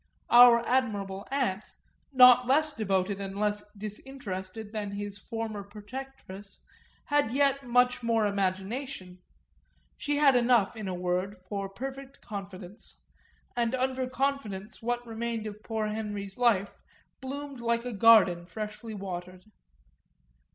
Our admirable aunt, not less devoted and less disinterested than his former protectress, had yet much more imagination; she had enough, in a word, for perfect confidence, and under confidence what remained of poor Henry's life bloomed like a garden freshly watered.